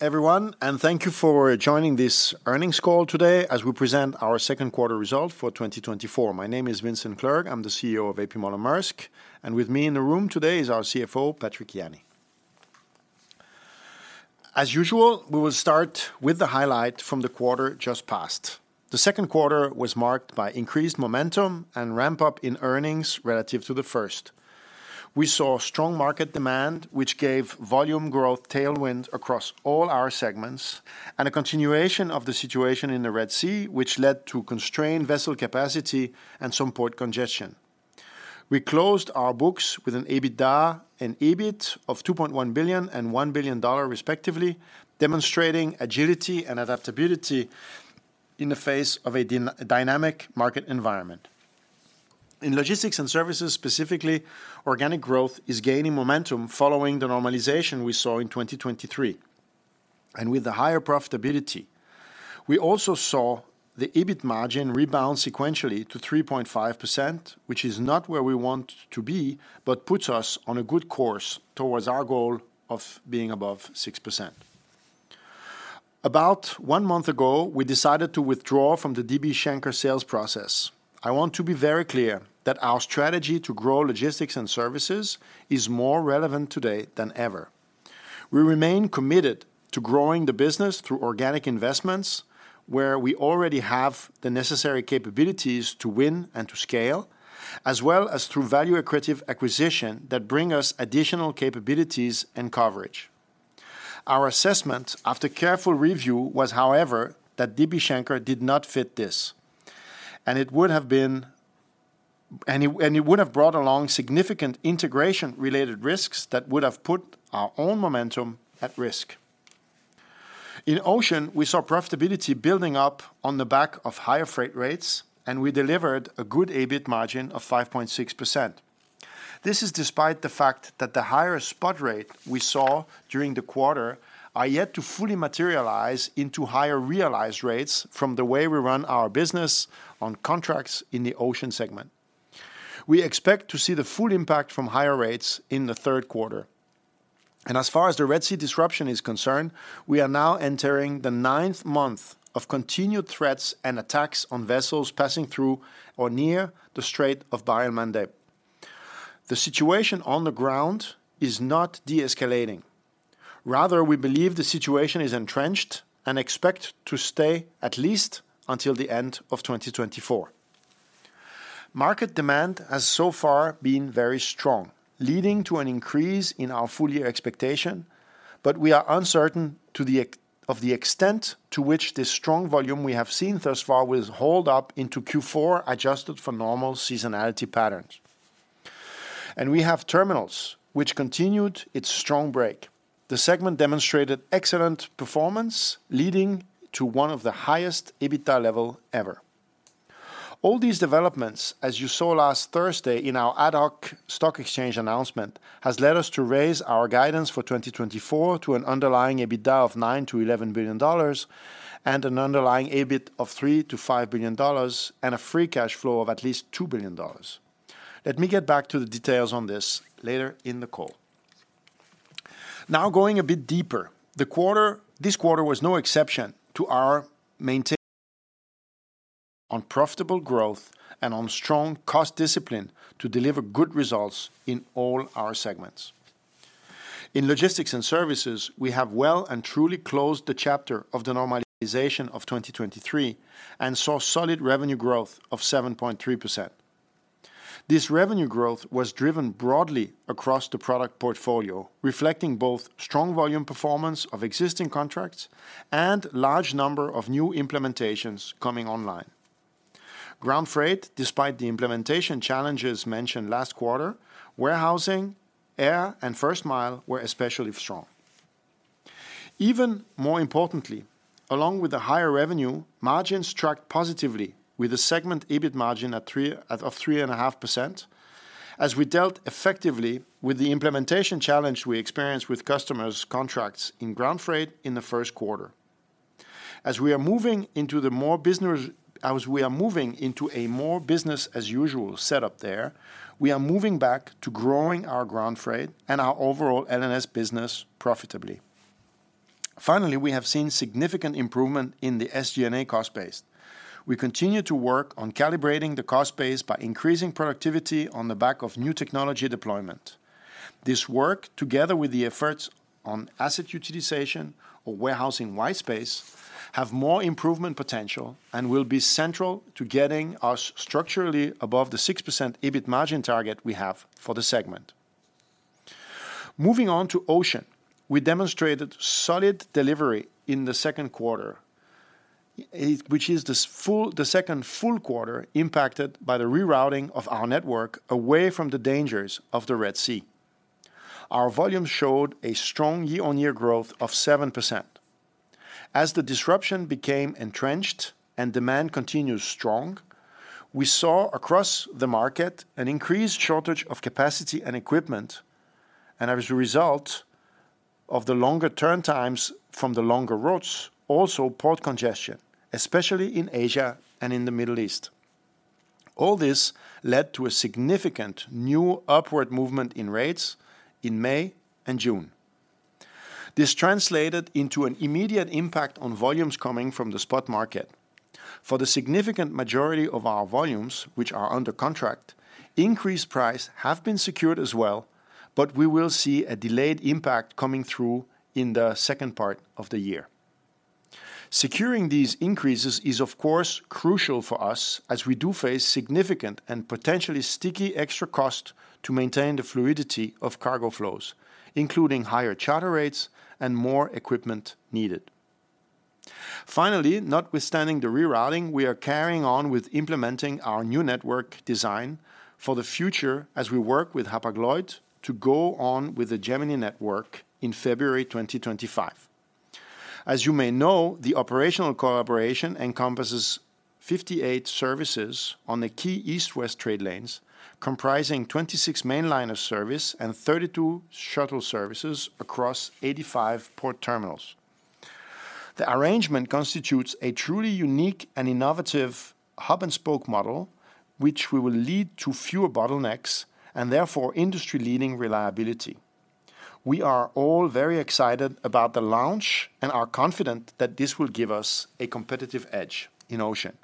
Everyone, and thank you for joining this earnings call today as we present our second quarter results for 2024. My name is Vincent Clerc, I'm the CEO of A.P. Moller - Maersk, and with me in the room today is our CFO, Patrick Jany. As usual, we will start with the highlight from the quarter just passed. The second quarter was marked by increased momentum and ramp-up in earnings relative to the first. We saw strong market demand, which gave volume growth tailwind across all our segments, and a continuation of the situation in the Red Sea, which led to constrained vessel capacity and some port congestion. We closed our books with an EBITDA and EBIT of $2.1 billion and $1 billion respectively, demonstrating agility and adaptability in the face of a dynamic market environment. In Logistics & Services specifically, organic growth is gaining momentum following the normalization we saw in 2023, and with the higher profitability. We also saw the EBIT margin rebound sequentially to 3.5%, which is not where we want to be, but puts us on a good course towards our goal of being above 6%. About one month ago, we decided to withdraw from the DB Schenker sales process. I want to be very clear that our strategy to grow Logistics & Services is more relevant today than ever. We remain committed to growing the business through organic investments, where we already have the necessary capabilities to win and to scale, as well as through value-accretive acquisition that brings us additional capabilities and coverage. Our assessment, after careful review, was, however, that DB Schenker did not fit this, and it would have brought along significant integration-related risks that would have put our own momentum at risk. In Ocean, we saw profitability building up on the back of higher freight rates, and we delivered a good EBIT margin of 5.6%. This is despite the fact that the higher spot rate we saw during the quarter is yet to fully materialize into higher realized rates from the way we run our business on contracts in the Ocean segment. We expect to see the full impact from higher rates in the third quarter. And as far as the Red Sea disruption is concerned, we are now entering the ninth month of continued threats and attacks on vessels passing through or near the Strait of Bab el-Mandeb. The situation on the ground is not de-escalating. Rather, we believe the situation is entrenched and expect to stay at least until the end of 2024. Market demand has so far been very strong, leading to an increase in our full-year expectation, but we are uncertain of the extent to which this strong volume we have seen thus far will hold up into Q4, adjusted for normal seasonality patterns. And we have Terminals, which continued its strong streak. The segment demonstrated excellent performance, leading to one of the highest EBITDA levels ever. All these developments, as you saw last Thursday in our ad hoc stock exchange announcement, have led us to raise our guidance for 2024 to an underlying EBITDA of $9-$11 billion, and an underlying EBIT of $3-$5 billion, and a free cash flow of at least $2 billion. Let me get back to the details on this later in the call. Now, going a bit deeper, this quarter was no exception to our maintaining on profitable growth and on strong cost discipline to deliver good results in all our segments. In Logistics & Services, we have well and truly closed the chapter of the normalization of 2023 and saw solid revenue growth of 7.3%. This revenue growth was driven broadly across the product portfolio, reflecting both strong volume performance of existing contracts and a large number of new implementations coming online. Ground freight, despite the implementation challenges mentioned last quarter, warehousing, air, and first mile were especially strong. Even more importantly, along with the higher revenue, margins tracked positively, with the segment EBIT margin of 3.5%, as we dealt effectively with the implementation challenge we experienced with customers' contracts in ground freight in the first quarter. As we are moving into a more business-as-usual setup there, we are moving back to growing our ground freight and our overall L&S business profitably. Finally, we have seen significant improvement in the SG&A cost base. We continue to work on calibrating the cost base by increasing productivity on the back of new technology deployment. This work, together with the efforts on asset utilization or warehousing white space, has more improvement potential and will be central to getting us structurally above the 6% EBIT margin target we have for the segment. Moving on to Ocean, we demonstrated solid delivery in the second quarter, which is the second full quarter impacted by the rerouting of our network away from the dangers of the Red Sea. Our volume showed a strong year-on-year growth of 7%. As the disruption became entrenched and demand continued strong, we saw across the market an increased shortage of capacity and equipment, and as a result of the longer turn times from the longer routes, also port congestion, especially in Asia and in the Middle East. All this led to a significant new upward movement in rates in May and June. This translated into an immediate impact on volumes coming from the spot market. For the significant majority of our volumes, which are under contract, increased prices have been secured as well, but we will see a delayed impact coming through in the second part of the year. Securing these increases is, of course, crucial for us as we do face significant and potentially sticky extra costs to maintain the fluidity of cargo flows, including higher charter rates and more equipment needed. Finally, notwithstanding the rerouting, we are carrying on with implementing our new network design for the future as we work with Hapag-Lloyd to go on with the Gemini network in February 2025. As you may know, the operational collaboration encompasses 58 services on the key east-west trade lanes, comprising 26 mainliner service and 32 shuttle services across 85 port Terminals. The arrangement constitutes a truly unique and innovative hub-and-spoke model, which will lead to fewer bottlenecks and therefore industry-leading reliability. We are all very excited about the launch and are confident that this will give us a competitive edge in Ocean.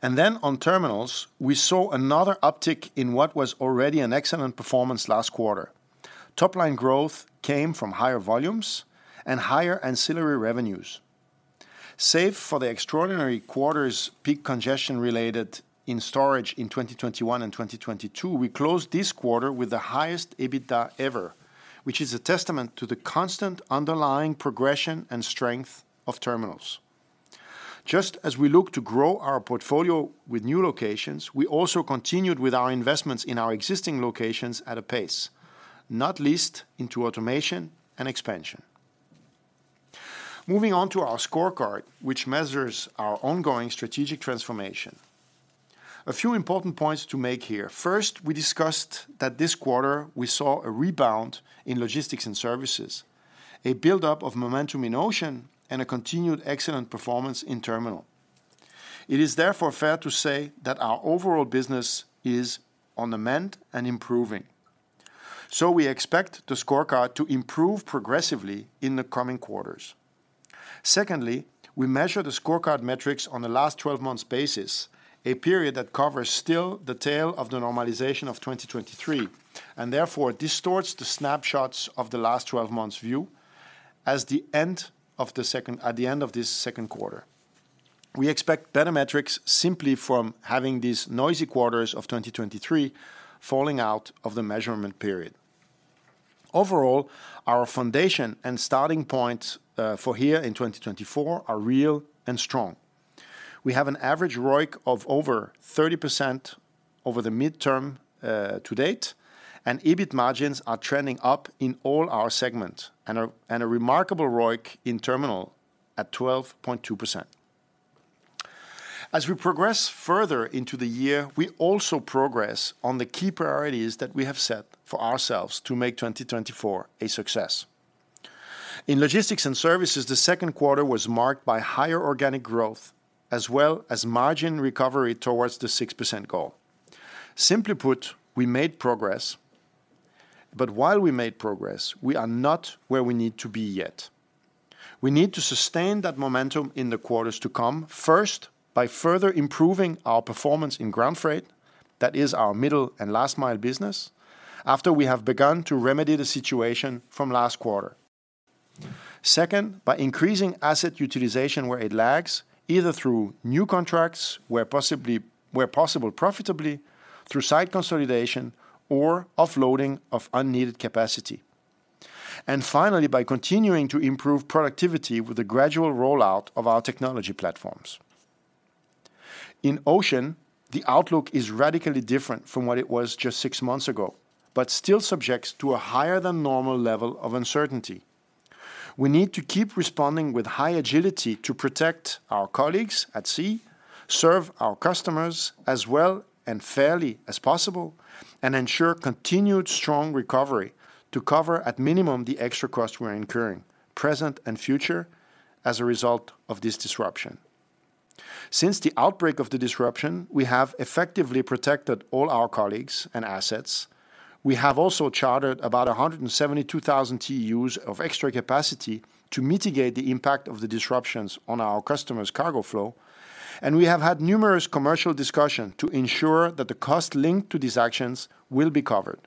And then on Terminals, we saw another uptick in what was already an excellent performance last quarter. Top-line growth came from higher volumes and higher ancillary revenues. Save for the extraordinary quarter's peak congestion related in storage in 2021 and 2022, we closed this quarter with the highest EBITDA ever, which is a testament to the constant underlying progression and strength of Terminals. Just as we look to grow our portfolio with new locations, we also continued with our investments in our existing locations at a pace, not least into automation and expansion. Moving on to our scorecard, which measures our ongoing strategic transformation. A few important points to make here. First, we discussed that this quarter we saw a rebound in Logistics & Services, a build-up of momentum in Ocean, and a continued excellent performance in Terminals. It is therefore fair to say that our overall business is on the mend and improving. We expect the scorecard to improve progressively in the coming quarters. Secondly, we measure the scorecard metrics on a last 12-month basis, a period that covers still the tail of the normalization of 2023, and therefore distorts the snapshots of the last 12 months' view at the end of this second quarter. We expect better metrics simply from having these noisy quarters of 2023 falling out of the measurement period. Overall, our foundation and starting points for here in 2024 are real and strong. We have an average ROIC of over 30% over the midterm to date, and EBIT margins are trending up in all our segments, and a remarkable ROIC in Terminals at 12.2%. As we progress further into the year, we also progress on the key priorities that we have set for ourselves to make 2024 a success. In Logistics & Services, the second quarter was marked by higher organic growth, as well as margin recovery towards the 6% goal. Simply put, we made progress, but while we made progress, we are not where we need to be yet. We need to sustain that momentum in the quarters to come, first by further improving our performance in ground freight, that is our middle and last-mile business, after we have begun to remedy the situation from last quarter. Second, by increasing asset utilization where it lags, either through new contracts where possible profitably, through site consolidation, or offloading of unneeded capacity. And finally, by continuing to improve productivity with the gradual rollout of our technology platforms. In Ocean, the outlook is radically different from what it was just six months ago, but still subject to a higher-than-normal level of uncertainty. We need to keep responding with high agility to protect our colleagues at sea, serve our customers as well and fairly as possible, and ensure continued strong recovery to cover at minimum the extra costs we're incurring, present and future, as a result of this disruption. Since the outbreak of the disruption, we have effectively protected all our colleagues and assets. We have also chartered about 172,000 TEUs of extra capacity to mitigate the impact of the disruptions on our customers' cargo flow, and we have had numerous commercial discussions to ensure that the costs linked to these actions will be covered.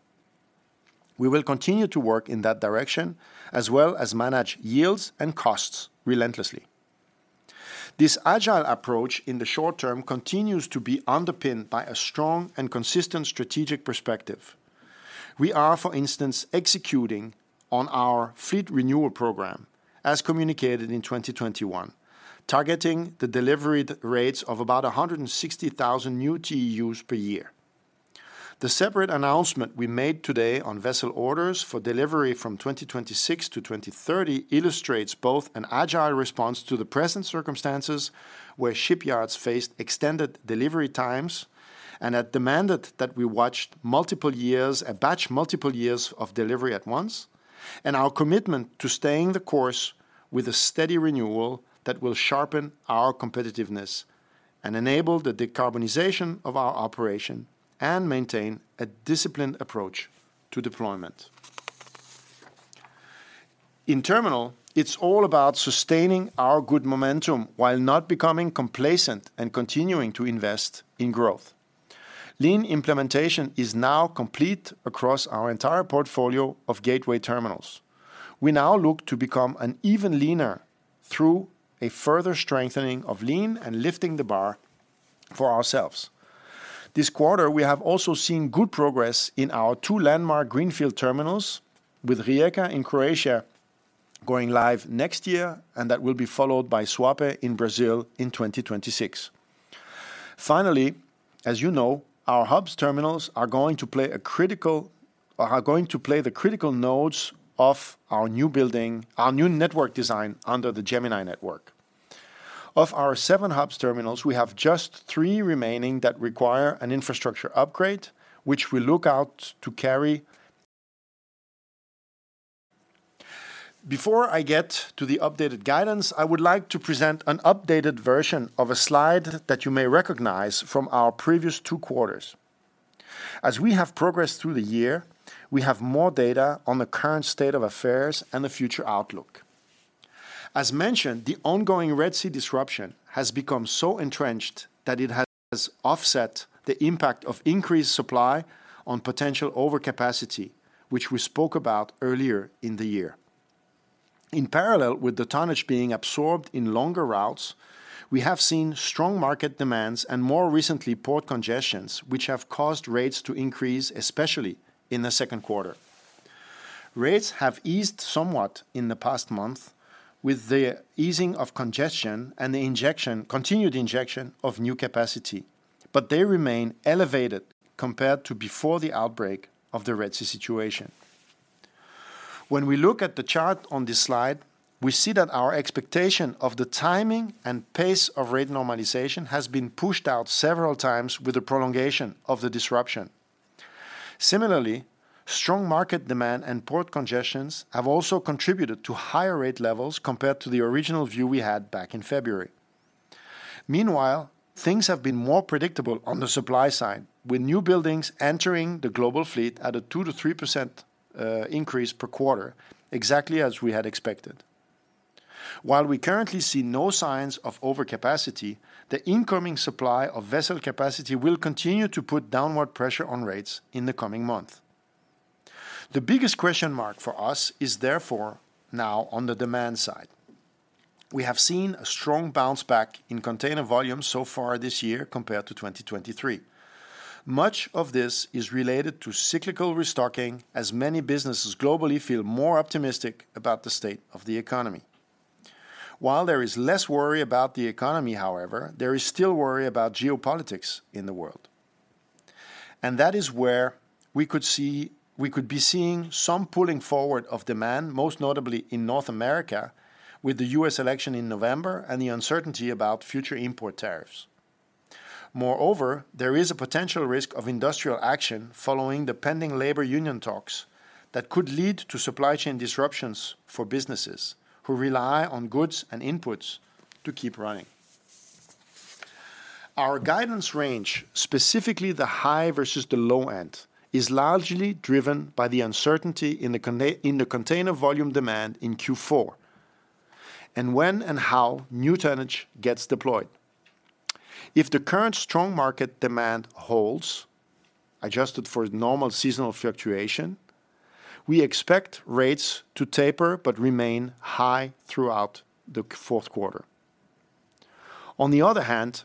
We will continue to work in that direction, as well as manage yields and costs relentlessly. This agile approach in the short term continues to be underpinned by a strong and consistent strategic perspective. We are, for instance, executing on our fleet renewal program, as communicated in 2021, targeting the delivery rates of about 160,000 new TEUs per year. The separate announcement we made today on vessel orders for delivery from 2026 to 2030 illustrates both an agile response to the present circumstances where shipyards faced extended delivery times and had demanded that we watch multiple years, a batch multiple years of delivery at once, and our commitment to staying the course with a steady renewal that will sharpen our competitiveness and enable the decarbonization of our operation and maintain a disciplined approach to deployment. In terminal, it's all about sustaining our good momentum while not becoming complacent and continuing to invest in growth. Lean implementation is now complete across our entire portfolio of gateway Terminals. We now look to become an even leaner through a further strengthening of lean and lifting the bar for ourselves. This quarter, we have also seen good progress in our two landmark greenfield Terminals, with Rijeka in Croatia going live next year, and that will be followed by Suape in Brazil in 2026. Finally, as you know, our hubs Terminals are going to play the critical nodes of our newbuilding, our new network design under the Gemini network. Of our seven hubs Terminals, we have just three remaining that require an infrastructure upgrade, which we look to carry out. Before I get to the updated guidance, I would like to present an updated version of a slide that you may recognize from our previous two quarters. As we have progressed through the year, we have more data on the current state of affairs and the future outlook. As mentioned, the ongoing Red Sea disruption has become so entrenched that it has offset the impact of increased supply on potential overcapacity, which we spoke about earlier in the year. In parallel with the tonnage being absorbed in longer routes, we have seen strong market demands and more recently port congestions, which have caused rates to increase, especially in the second quarter. Rates have eased somewhat in the past month with the easing of congestion and the injection, continued injection of new capacity, but they remain elevated compared to before the outbreak of the Red Sea situation. When we look at the chart on this slide, we see that our expectation of the timing and pace of rate normalization has been pushed out several times with the prolongation of the disruption. Similarly, strong market demand and port congestions have also contributed to higher rate levels compared to the original view we had back in February. Meanwhile, things have been more predictable on the supply side, with newbuildings entering the global fleet at a 2%-3% increase per quarter, exactly as we had expected. While we currently see no signs of overcapacity, the incoming supply of vessel capacity will continue to put downward pressure on rates in the coming month. The biggest question mark for us is therefore now on the demand side. We have seen a strong bounce back in container volume so far this year compared to 2023. Much of this is related to cyclical restocking, as many businesses globally feel more optimistic about the state of the economy. While there is less worry about the economy, however, there is still worry about geopolitics in the world. That is where we could see, we could be seeing some pulling forward of demand, most notably in North America with the U.S. election in November and the uncertainty about future import tariffs. Moreover, there is a potential risk of industrial action following the pending labor union talks that could lead to supply chain disruptions for businesses who rely on goods and inputs to keep running. Our guidance range, specifically the high versus the low end, is largely driven by the uncertainty in the container volume demand in Q4 and when and how new tonnage gets deployed. If the current strong market demand holds, adjusted for normal seasonal fluctuation, we expect rates to taper but remain high throughout the fourth quarter. On the other hand,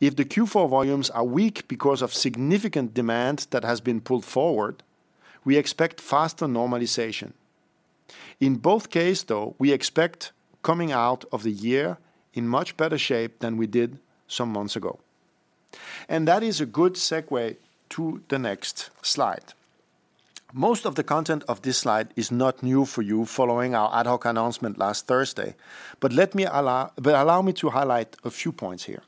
if the Q4 volumes are weak because of significant demand that has been pulled forward, we expect faster normalization. In both cases, though, we expect coming out of the year in much better shape than we did some months ago. And that is a good segue to the next slide. Most of the content of this slide is not new for you following our ad hoc announcement last Thursday, but let me allow me to highlight a few points here.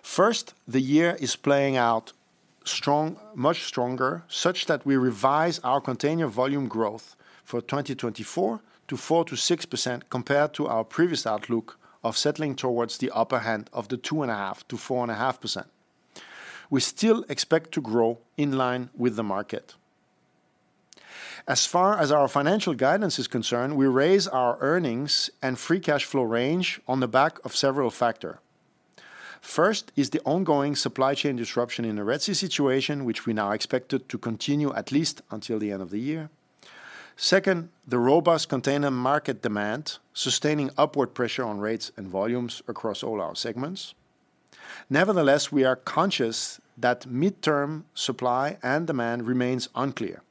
First, the year is playing out strong, much stronger, such that we revise our container volume growth for 2024 to 4%-6% compared to our previous outlook of settling towards the upper end of the 2.5%-4.5%. We still expect to grow in line with the market. As far as our financial guidance is concerned, we raise our earnings and free cash flow range on the back of several factors. First is the ongoing supply chain disruption in the Red Sea situation, which we now expect to continue at least until the end of the year. Second, the robust container market demand sustaining upward pressure on rates and volumes across all our segments. Nevertheless, we are conscious that midterm supply and demand remains unclear.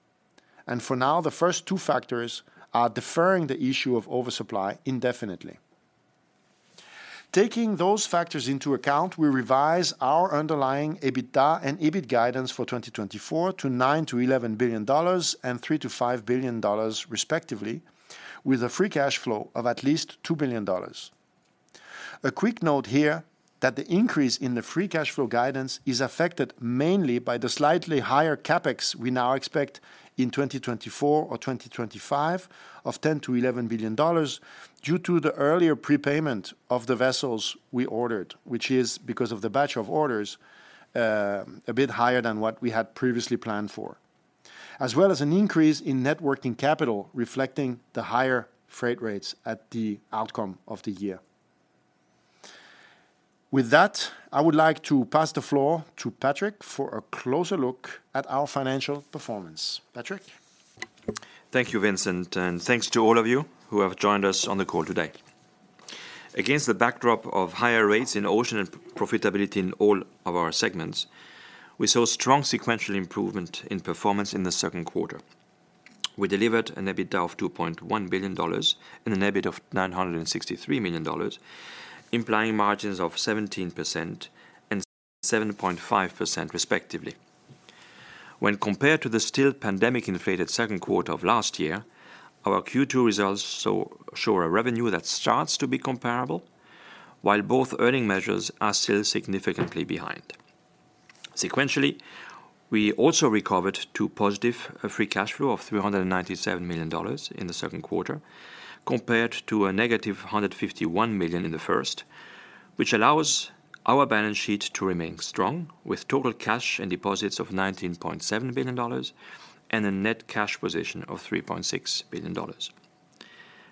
And for now, the first two factors are deferring the issue of oversupply indefinitely. Taking those factors into account, we revise our underlying EBITDA and EBIT guidance for 2024 to $9 billion-$11 billion and $3 billion-$5 billion respectively, with a free cash flow of at least $2 billion. A quick note here that the increase in the free cash flow guidance is affected mainly by the slightly higher CapEx we now expect in 2024 or 2025 of $10 billion-$11 billion due to the earlier prepayment of the vessels we ordered, which is because of the batch of orders a bit higher than what we had previously planned for, as well as an increase in net working capital reflecting the higher freight rates at the end of the year. With that, I would like to pass the floor to Patrick for a closer look at our financial performance. Patrick. Thank you, Vincent, and thanks to all of you who have joined us on the call today. Against the backdrop of higher rates in Ocean and profitability in all of our segments, we saw strong sequential improvement in performance in the second quarter. We delivered an EBITDA of $2.1 billion and an EBIT of $963 million, implying margins of 17% and 7.5% respectively. When compared to the still pandemic-inflated second quarter of last year, our Q2 results show a revenue that starts to be comparable, while both earning measures are still significantly behind. Sequentially, we also recovered to positive free cash flow of $397 million in the second quarter, compared to a negative $151 million in the first, which allows our balance sheet to remain strong with total cash and deposits of $19.7 billion and a net cash position of $3.6 billion.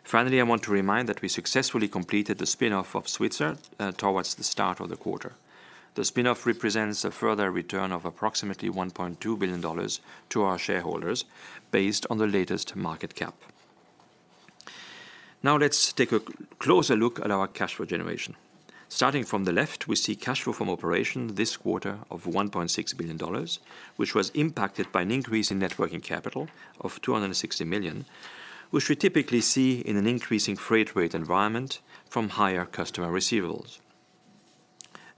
Finally, I want to remind that we successfully completed the spin-off of Svitzer towards the start of the quarter. The spin-off represents a further return of approximately $1.2 billion to our shareholders based on the latest market cap. Now let's take a closer look at our cash flow generation. Starting from the left, we see cash flow from operations this quarter of $1.6 billion, which was impacted by an increase in net working capital of $260 million, which we typically see in an increasing freight rate environment from higher customer receivables.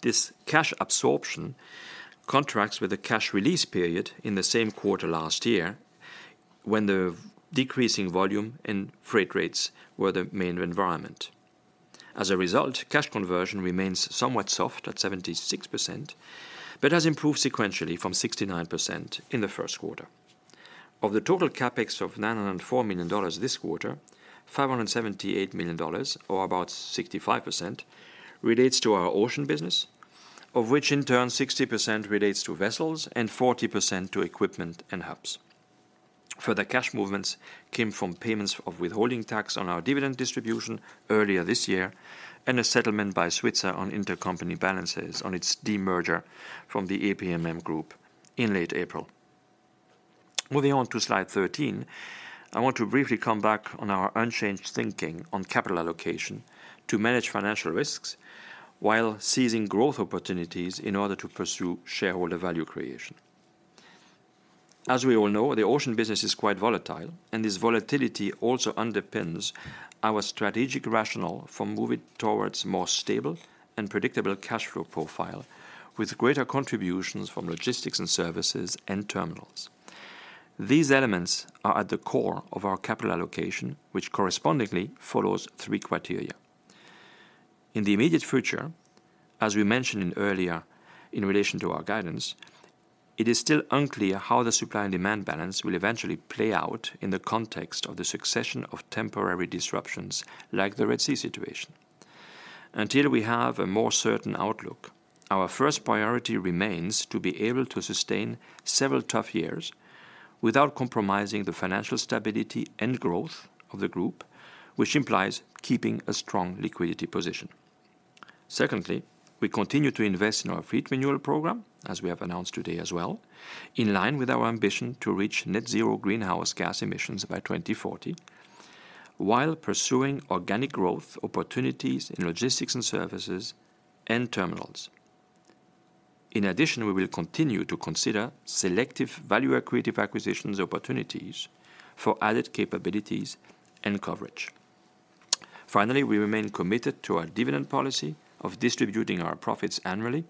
This cash absorption contrasts with the cash release period in the same quarter last year when the decreasing volume and freight rates were the main environment. As a result, cash conversion remains somewhat soft at 76%, but has improved sequentially from 69% in the first quarter. Of the total CapEx of $904 million this quarter, $578 million, or about 65%, relates to our Ocean business, of which in turn 60% relates to vessels and 40% to equipment and hubs. Further cash movements came from payments of withholding tax on our dividend distribution earlier this year and a settlement by Svitzer on intercompany balances on its demerger from the A.P. Moller - Maersk Group in late April. Moving on to slide 13, I want to briefly come back on our unchanged thinking on capital allocation to manage financial risks while seizing growth opportunities in order to pursue shareholder value creation. As we all know, the Ocean business is quite volatile, and this volatility also underpins our strategic rationale for moving towards a more stable and predictable cash flow profile with greater contributions from Logistics & Services and Terminals. These elements are at the core of our capital allocation, which correspondingly follows three criteria. In the immediate future, as we mentioned earlier in relation to our guidance, it is still unclear how the supply and demand balance will eventually play out in the context of the succession of temporary disruptions like the Red Sea situation. Until we have a more certain outlook, our first priority remains to be able to sustain several tough years without compromising the financial stability and growth of the group, which implies keeping a strong liquidity position. Secondly, we continue to invest in our fleet renewal program, as we have announced today as well, in line with our ambition to reach net zero greenhouse gas emissions by 2040, while pursuing organic growth opportunities in Logistics & Services and Terminals. In addition, we will continue to consider selective value accretive acquisitions opportunities for added capabilities and coverage. Finally, we remain committed to our dividend policy of distributing our profits annually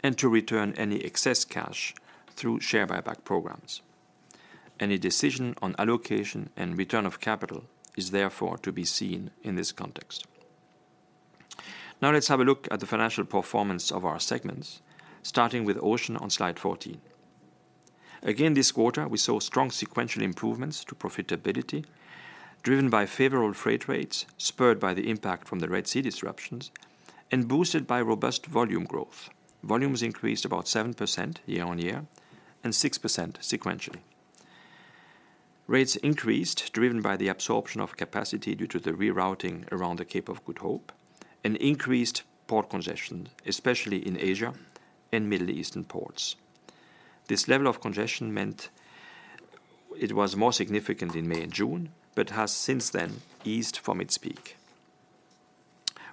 and to return any excess cash through share buyback programs. Any decision on allocation and return of capital is therefore to be seen in this context. Now let's have a look at the financial performance of our segments, starting with Ocean on slide 14. Again, this quarter, we saw strong sequential improvements to profitability driven by favorable freight rates, spurred by the impact from the Red Sea disruptions, and boosted by robust volume growth. Volumes increased about 7% year-on-year and 6% sequentially. Rates increased driven by the absorption of capacity due to the rerouting around the Cape of Good Hope and increased port congestion, especially in Asia and Middle Eastern ports. This level of congestion meant it was more significant in May and June, but has since then eased from its peak.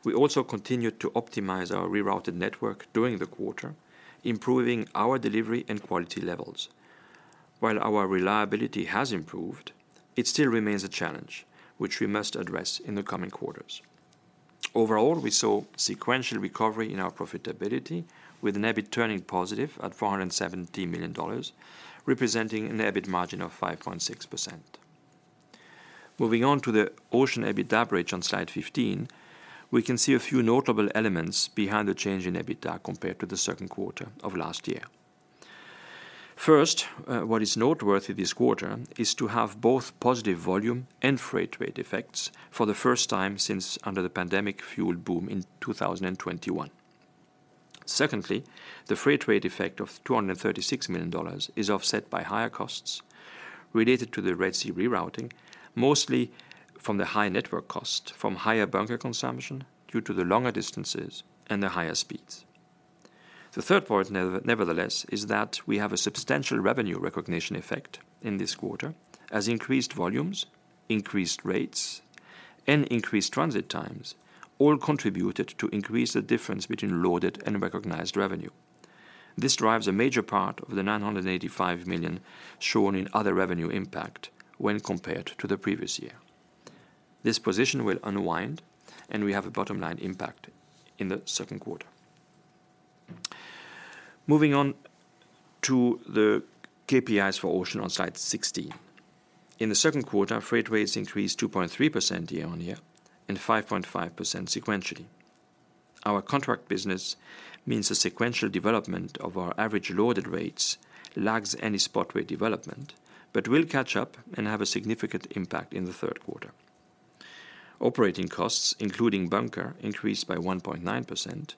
We also continued to optimize our rerouted network during the quarter, improving our delivery and quality levels. While our reliability has improved, it still remains a challenge, which we must address in the coming quarters. Overall, we saw sequential recovery in our profitability with an EBIT turning positive at $470 million, representing an EBIT margin of 5.6%. Moving on to the Ocean EBITDA bridge on slide 15, we can see a few notable elements behind the change in EBITDA compared to the second quarter of last year. First, what is noteworthy this quarter is to have both positive volume and freight rate effects for the first time since under the pandemic fuel boom in 2021. Secondly, the freight rate effect of $236 million is offset by higher costs related to the Red Sea rerouting, mostly from the high network cost, from higher bunker consumption due to the longer distances and the higher speeds. The third point, nevertheless, is that we have a substantial revenue recognition effect in this quarter, as increased volumes, increased rates, and increased transit times all contributed to increase the difference between loaded and recognized revenue. This drives a major part of the $985 million shown in other revenue impact when compared to the previous year. This position will unwind, and we have a bottom line impact in the second quarter. Moving on to the KPIs for Ocean on slide 16. In the second quarter, freight rates increased 2.3% year-on-year and 5.5% sequentially. Our contract business means a sequential development of our average loaded rates lags any spot rate development, but will catch up and have a significant impact in the third quarter. Operating costs, including bunker, increased by 1.9%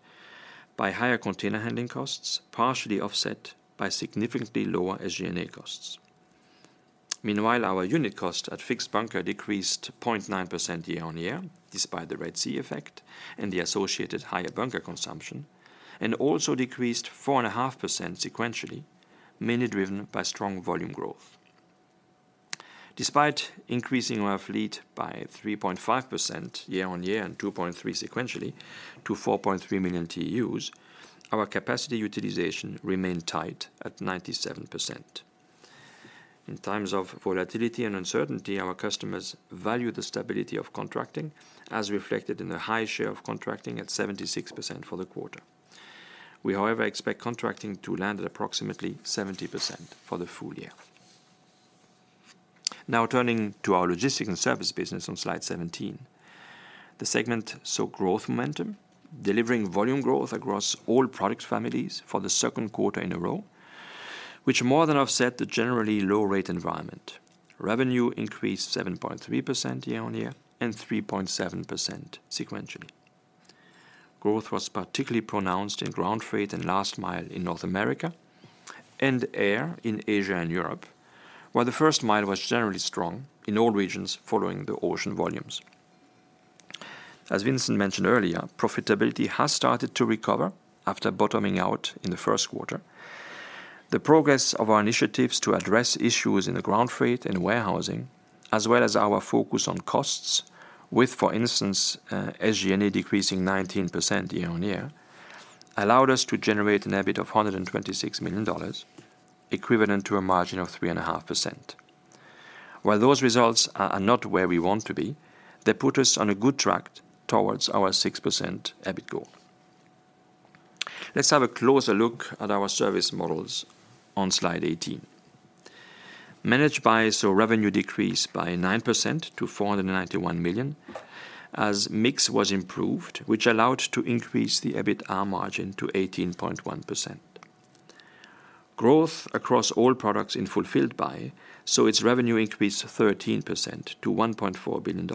by higher container handling costs, partially offset by significantly lower SG&A costs. Meanwhile, our unit cost at fixed bunker decreased 0.9% year-on-year, despite the Red Sea effect and the associated higher bunker consumption, and also decreased 4.5% sequentially, mainly driven by strong volume growth. Despite increasing our fleet by 3.5% year-on-year and 2.3% sequentially to 4.3 million TEUs, our capacity utilization remained tight at 97%. In times of volatility and uncertainty, our customers value the stability of contracting, as reflected in a high share of contracting at 76% for the quarter. We, however, expect contracting to land at approximately 70% for the full year. Now turning to our logistics and service business on slide 17, the segment saw growth momentum, delivering volume growth across all product families for the second quarter in a row, which more than offset the generally low rate environment. Revenue increased 7.3% year-over-year and 3.7% sequentially. Growth was particularly pronounced in ground freight and last mile in North America and air in Asia and Europe, while the first mile was generally strong in all regions following the Ocean volumes. As Vincent mentioned earlier, profitability has started to recover after bottoming out in the first quarter. The progress of our initiatives to address issues in the ground freight and warehousing, as well as our focus on costs, with, for instance, SG&A decreasing 19% year-over-year, allowed us to generate an EBIT of $126 million, equivalent to a margin of 3.5%. While those results are not where we want to be, they put us on a good track towards our 6% EBIT goal. Let's have a closer look at our service models on slide 18. Managed by, so revenue decreased by 9% to $491 million as mix was improved, which allowed to increase the EBITDA margin to 18.1%. Growth across all products in Fulfilled by, so its revenue increased 13% to $1.4 billion.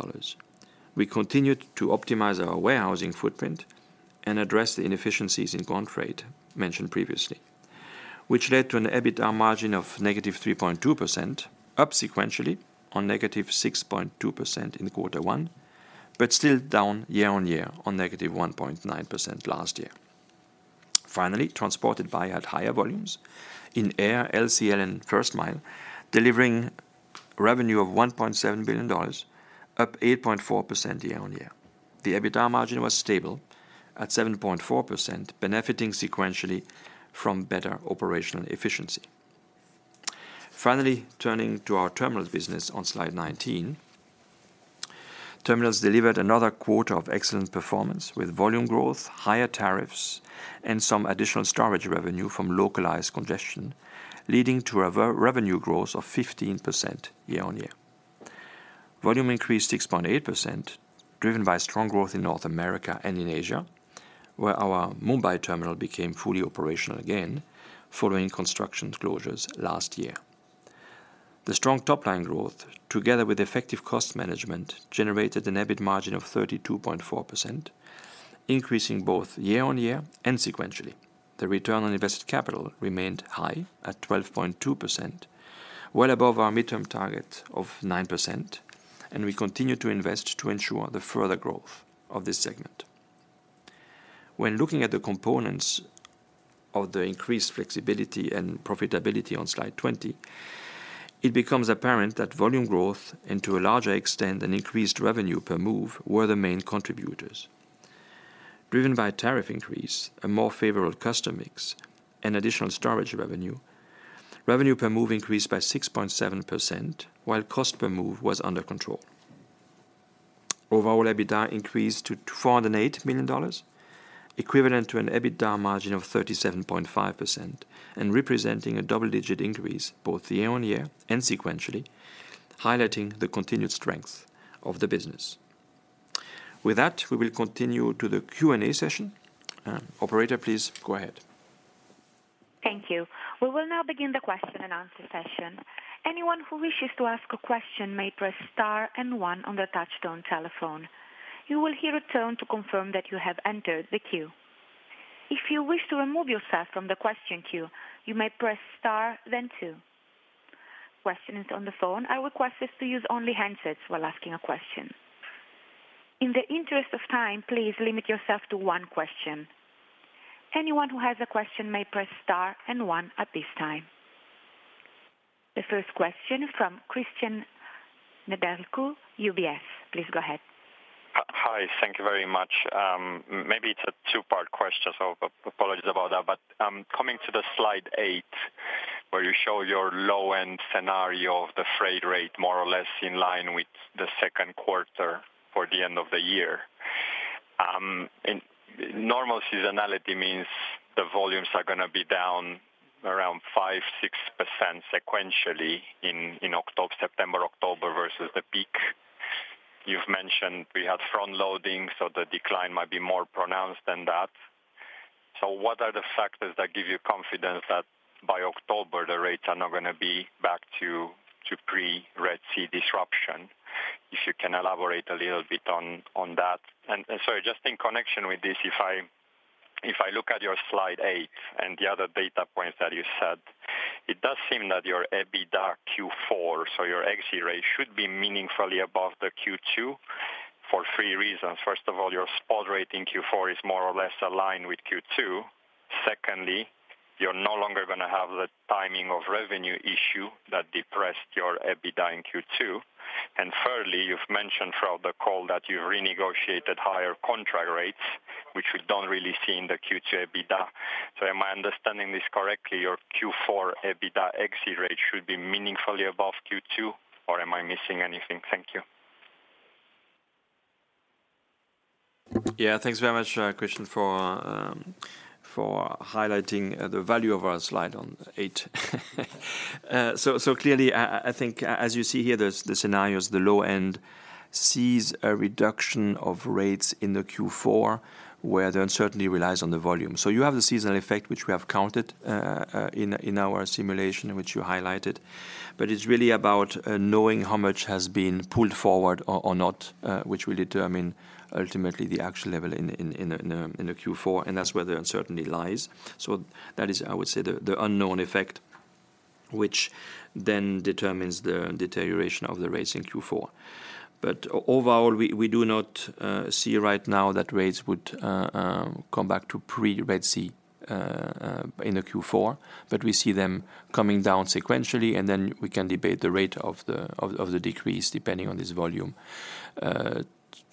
We continued to optimize our warehousing footprint and address the inefficiencies in ground freight mentioned previously, which led to an EBITDA margin of -3.2% up sequentially on -6.2% in quarter one, but still down year-over-year on -1.9% last year. Finally, Transported by had higher volumes in air, LCL, and first mile, delivering revenue of $1.7 billion, up 8.4% year-over-year. The EBIT margin was stable at 7.4%, benefiting sequentially from better operational efficiency. Finally, turning to our terminal business on slide 19, Terminals delivered another quarter of excellent performance with volume growth, higher tariffs, and some additional storage revenue from localized congestion, leading to a revenue growth of 15% year-on-year. Volume increased 6.8%, driven by strong growth in North America and in Asia, where our Mumbai terminal became fully operational again following construction closures last year. The strong top line growth, together with effective cost management, generated an EBIT margin of 32.4%, increasing both year-on-year and sequentially. The return on invested capital remained high at 12.2%, well above our midterm target of 9%, and we continue to invest to ensure the further growth of this segment. When looking at the components of the increased flexibility and profitability on slide 20, it becomes apparent that volume growth and, to a larger extent, an increased revenue per move were the main contributors. Driven by tariff increase, a more favorable customer mix, and additional storage revenue, revenue per move increased by 6.7%, while cost per move was under control. Overall, EBITDA increased to $408 million, equivalent to an EBITDA margin of 37.5%, and representing a double-digit increase both year-on-year and sequentially, highlighting the continued strength of the business. With that, we will continue to the Q&A session. Operator, please go ahead. Thank you. We will now begin the question and answer session. Anyone who wishes to ask a question may press star and one on the touch-tone telephone. You will hear a tone to confirm that you have entered the queue. If you wish to remove yourself from the question queue, you may press star, then two. Questioners on the phone are requested to use only handsets while asking a question. In the interest of time, please limit yourself to one question. Anyone who has a question may press star and one at this time. The first question is from Cristian Nedelcu, UBS. Please go ahead. Hi, thank you very much. Maybe it's a two-part question, so apologies about that, but coming to the slide eight, where you show your low-end scenario of the freight rate, more or less in line with the second quarter for the end of the year. Normal seasonality means the volumes are going to be down around 5-6% sequentially in September-October versus the peak. You've mentioned we had front loading, so the decline might be more pronounced than that. So what are the factors that give you confidence that by October the rates are not going to be back to pre-Red Sea disruption? If you can elaborate a little bit on that. And sorry, just in connection with this, if I look at your slide 8 and the other data points that you said, it does seem that your EBITDA Q4, so your exit rate, should be meaningfully above the Q2 for three reasons. First of all, your spot rate in Q4 is more or less aligned with Q2. Secondly, you're no longer going to have the timing of revenue issue that depressed your EBITDA in Q2. And thirdly, you've mentioned throughout the call that you've renegotiated higher contract rates, which we don't really see in the Q2 EBITDA. So am I understanding this correctly? Your Q4 EBITDA exit rate should be meaningfully above Q2, or am I missing anything? Thank you. Yeah, thanks very much, Cristian, for highlighting the value of our slide 8. So clearly, I think, as you see here, the scenarios, the low end, sees a reduction of rates in the Q4, where the uncertainty relies on the volume. So you have the seasonal effect, which we have counted in our simulation, which you highlighted, but it's really about knowing how much has been pulled forward or not, which will determine ultimately the actual level in the Q4, and that's where the uncertainty lies. So that is, I would say, the unknown effect, which then determines the deterioration of the rates in Q4. Overall, we do not see right now that rates would come back to pre-Red Sea in the Q4, but we see them coming down sequentially, and then we can debate the rate of the decrease depending on this volume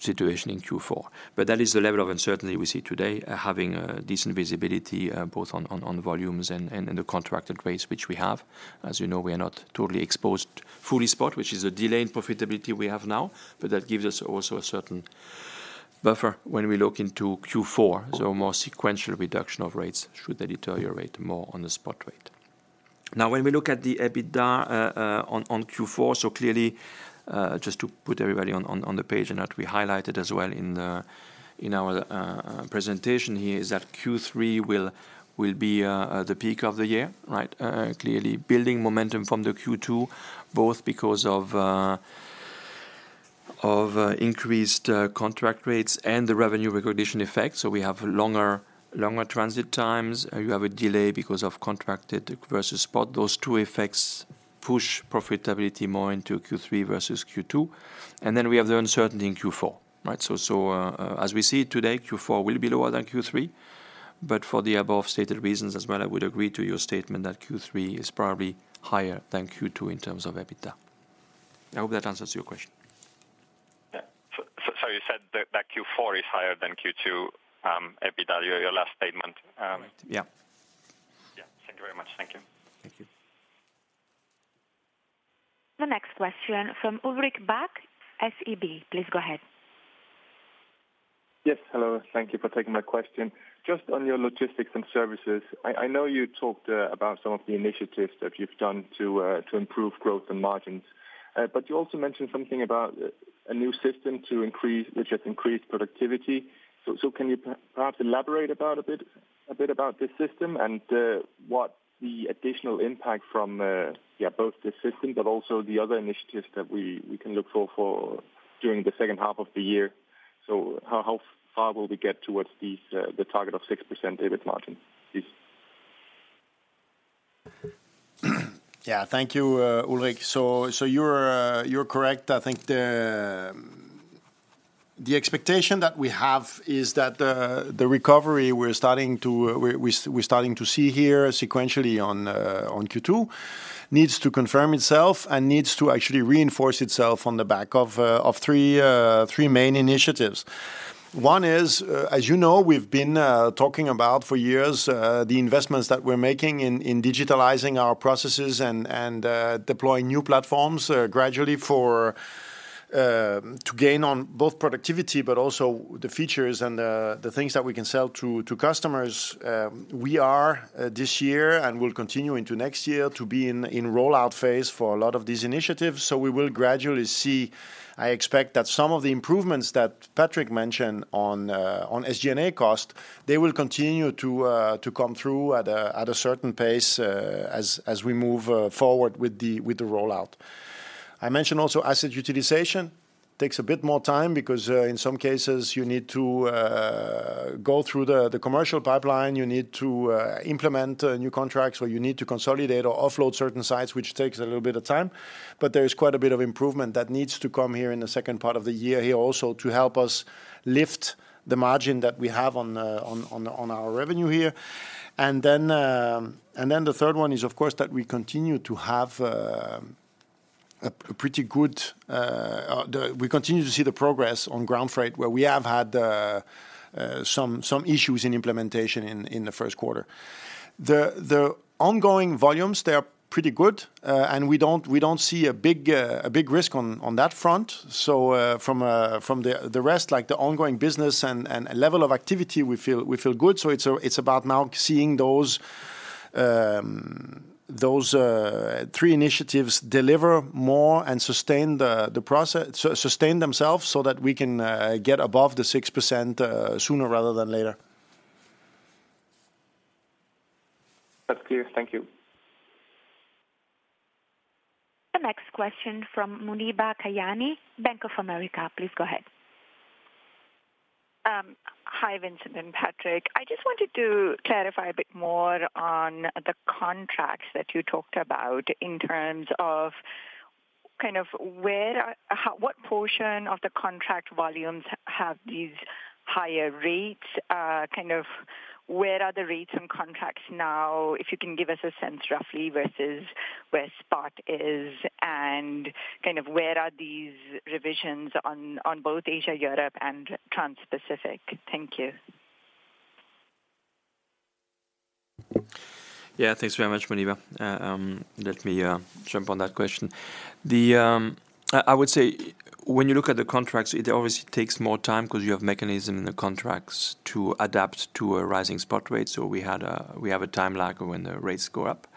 situation in Q4. But that is the level of uncertainty we see today, having decent visibility both on volumes and the contracted rates, which we have. As you know, we are not totally exposed fully spot, which is a delay in profitability we have now, but that gives us also a certain buffer when we look into Q4, so more sequential reduction of rates should deteriorate more on the spot rate. Now, when we look at the EBITDA on Q4, so clearly, just to put everybody on the page and that we highlighted as well in our presentation here, is that Q3 will be the peak of the year, right? Clearly, building momentum from the Q2, both because of increased contract rates and the revenue recognition effect, so we have longer transit times, you have a delay because of contracted versus spot. Those two effects push profitability more into Q3 versus Q2. And then we have the uncertainty in Q4, right? So as we see today, Q4 will be lower than Q3, but for the above-stated reasons as well, I would agree to your statement that Q3 is probably higher than Q2 in terms of EBITDA. I hope that answers your question. Yeah. Sorry, you said that Q4 is higher than Q2 EBITDA, your last statement. Correct. Yeah. Yeah. Thank you very much. Thank you. Thank you. The next question from Ulrik Bak, SEB. Please go ahead. Yes. Hello. Thank you for taking my question. Just on your Logistics & Services, I know you talked about some of the initiatives that you've done to improve growth and margins, but you also mentioned something about a new system to increase, which has increased productivity. So can you perhaps elaborate a bit about this system and what the additional impact from both this system, but also the other initiatives that we can look for during the second half of the year? So how far will we get towards the target of 6% EBIT margin? Yeah. Thank you, Ulrik. So you're correct. I think the expectation that we have is that the recovery we're starting to see here sequentially on Q2 needs to confirm itself and needs to actually reinforce itself on the back of three main initiatives. One is, as you know, we've been talking about for years the investments that we're making in digitalizing our processes and deploying new platforms gradually to gain on both productivity, but also the features and the things that we can sell to customers. We are this year and will continue into next year to be in rollout phase for a lot of these initiatives, so we will gradually see. I expect that some of the improvements that Patrick mentioned on SG&A cost, they will continue to come through at a certain pace as we move forward with the rollout. I mentioned also asset utilization takes a bit more time because in some cases you need to go through the commercial pipeline, you need to implement new contracts, or you need to consolidate or offload certain sites, which takes a little bit of time. But there is quite a bit of improvement that needs to come here in the second part of the year here also to help us lift the margin that we have on our revenue here. And then the third one is, of course, that we continue to have a pretty good, we continue to see the progress on ground freight, where we have had some issues in implementation in the first quarter. The ongoing volumes, they are pretty good, and we don't see a big risk on that front. So from the rest, like the ongoing business and level of activity, we feel good. So it's about now seeing those three initiatives deliver more and sustain themselves so that we can get above the 6% sooner rather than later. That's clear. Thank you. The next question from Muneeba Kayani, Bank of America. Please go ahead. Hi, Vincent and Patrick. I just wanted to clarify a bit more on the contracts that you talked about in terms of kind of what portion of the contract volumes have these higher rates? Kind of where are the rates on contracts now, if you can give us a sense roughly versus where spot is, and kind of where are these revisions on both Asia, Europe, and Trans-Pacific? Thank you. Yeah. Thanks very much, Muneeba. Let me jump on that question. I would say when you look at the contracts, it obviously takes more time because you have mechanism in the contracts to adapt to a rising spot rate. So we have a time lag when the rates go up.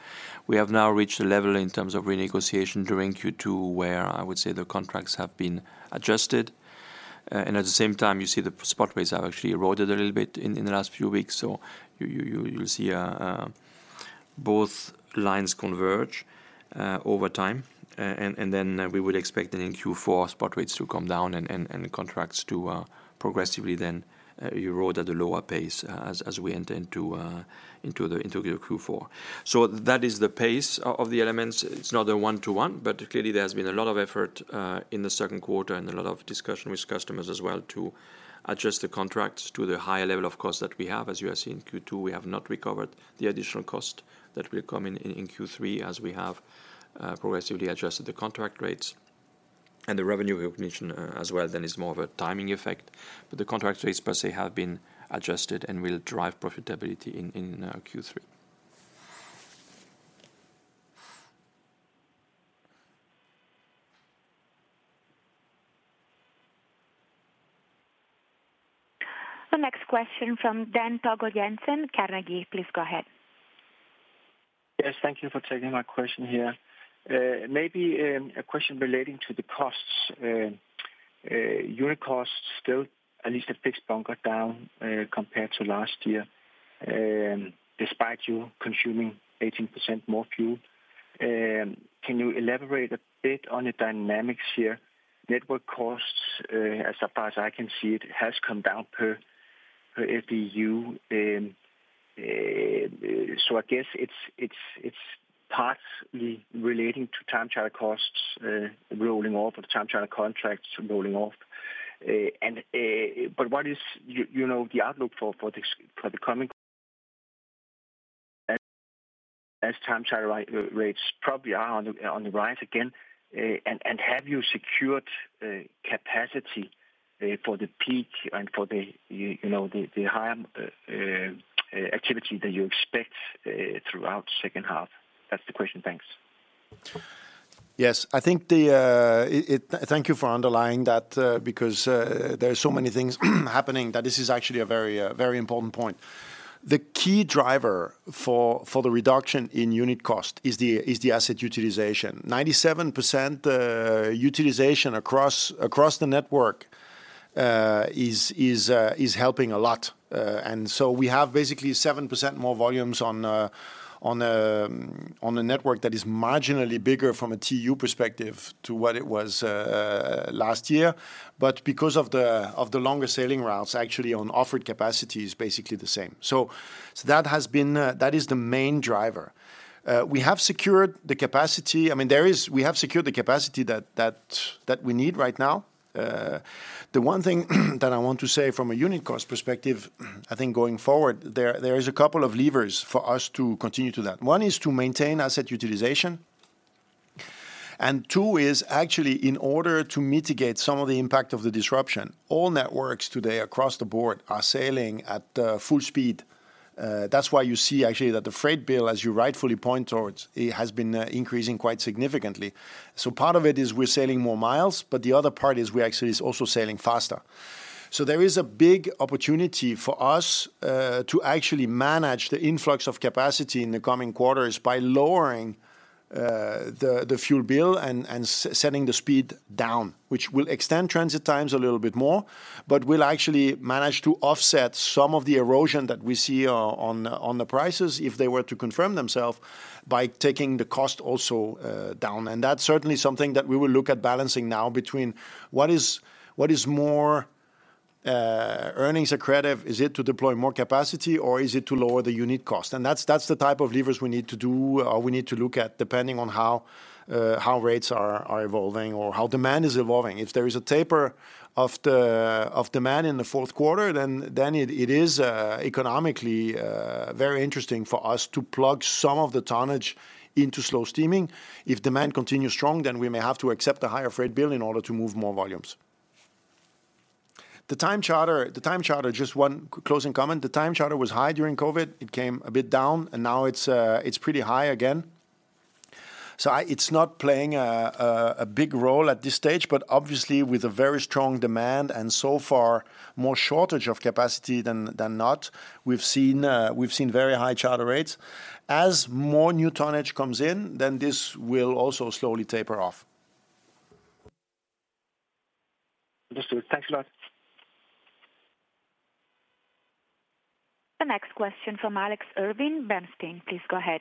We have now reached a level in terms of renegotiation during Q2, where I would say the contracts have been adjusted. At the same time, you see the spot rates have actually eroded a little bit in the last few weeks. You'll see both lines converge over time. Then we would expect in Q4 spot rates to come down and contracts to progressively then erode at a lower pace as we enter into the Q4. That is the pace of the elements. It's not a one-to-one, but clearly there has been a lot of effort in the second quarter and a lot of discussion with customers as well to adjust the contracts to the higher level of cost that we have. As you have seen in Q2, we have not recovered the additional cost that will come in Q3 as we have progressively adjusted the contract rates. The revenue recognition as well then is more of a timing effect, but the contract rates per se have been adjusted and will drive profitability in Q3. The next question from Dan Togo Jensen, Carnegie. Please go ahead. Yes. Thank you for taking my question here. Maybe a question relating to the costs. Unit costs still. At least a fixed bunker down compared to last year, despite you consuming 18% more fuel. Can you elaborate a bit on the dynamics here? Network costs, as far as I can see it, has come down per FEU. So I guess it's partly relating to time charter costs rolling off or time charter contracts rolling off. But what is the outlook for the coming as time charter rates probably are on the rise again? And have you secured capacity for the peak and for the higher activity that you expect throughout the second half? That's the question. Thanks. Yes. I think thank you for underlying that because there are so many things happening that this is actually a very important point. The key driver for the reduction in unit cost is the asset utilization. 97% utilization across the network is helping a lot. And so we have basically 7% more volumes on a network that is marginally bigger from a TEU perspective to what it was last year. But because of the longer sailing routes, actually on offered capacity is basically the same. So that has been that is the main driver. We have secured the capacity. I mean, we have secured the capacity that we need right now. The one thing that I want to say from a unit cost perspective, I think going forward, there is a couple of levers for us to continue to that. One is to maintain asset utilization. And two is actually in order to mitigate some of the impact of the disruption. All networks today across the board are sailing at full speed. That's why you see actually that the freight bill, as you rightfully point towards, has been increasing quite significantly. So part of it is we're sailing more miles, but the other part is we actually are also sailing faster. So there is a big opportunity for us to actually manage the influx of capacity in the coming quarters by lowering the fuel bill and setting the speed down, which will extend transit times a little bit more, but will actually manage to offset some of the erosion that we see on the prices if they were to confirm themselves by taking the cost also down. And that's certainly something that we will look at balancing now between what is more earnings accretive? Is it to deploy more capacity, or is it to lower the unit cost? And that's the type of levers we need to do or we need to look at depending on how rates are evolving or how demand is evolving. If there is a taper of demand in the fourth quarter, then it is economically very interesting for us to plug some of the tonnage into slow steaming. If demand continues strong, then we may have to accept a higher freight bill in order to move more volumes. The time charter, just one closing comment, the time charter was high during COVID. It came a bit down, and now it's pretty high again. So it's not playing a big role at this stage, but obviously with a very strong demand and so far more shortage of capacity than not, we've seen very high charter rates. As more new tonnage comes in, then this will also slowly taper off. Understood. Thanks a lot. The next question from Alex Irving, Bernstein. Please go ahead.